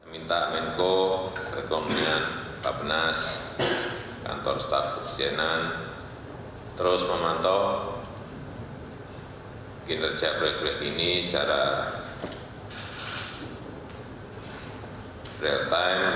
minta menko perekonomian bapak penas kantor staf kepresidenan terus memantau kinerja proyek proyek ini secara real time